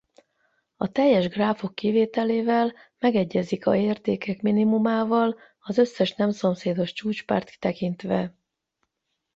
A teljes gráfok kivételével megegyezik a értékek minimumával az összes nem szomszédos csúcspárt tekintve.